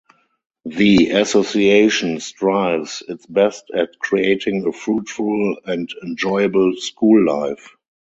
The association strives its best at creating a fruitful and enjoyable school life.